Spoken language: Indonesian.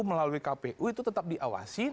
melalui kpu itu tetap diawasi